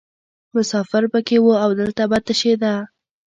مسافر پکې وو او دلته به تشیده.